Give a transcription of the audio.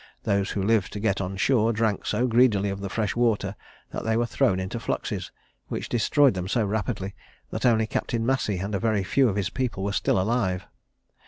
Those who lived to get on shore drank so greedily of the fresh water, that they were thrown into fluxes, which destroyed them so rapidly, that only Captain Massey and a very few of his people were still alive.